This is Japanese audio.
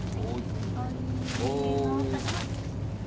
お。